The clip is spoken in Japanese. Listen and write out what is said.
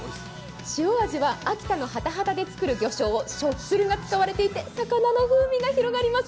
塩味は秋田のハタハタでつくる魚しょう、しょっつるが使われていて魚の風味が広がります。